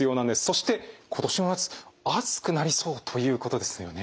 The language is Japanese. そして今年の夏暑くなりそうということですよね。